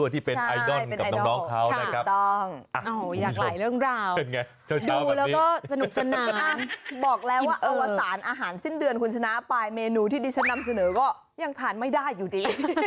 ที่ดิฉันนำเสนอก็ยังทานไม่ได้อยู่ดิ